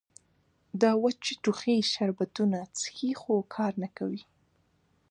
د وچ ټوخي شربتونه څښي خو کار نۀ کوي